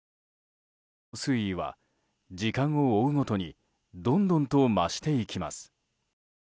水位は時間を追うごとにどんどんと増していきます。